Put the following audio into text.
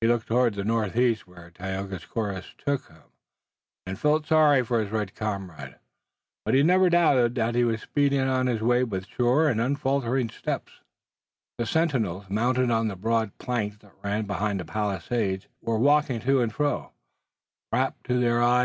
He looked toward the northeast whither Tayoga's course took him, and he felt sorry for his red comrade, but he never doubted that he was speeding on his way with sure and unfaltering step. The sentinels, mounted on the broad plank that ran behind the palisade, were walking to and fro, wrapped to their eyes.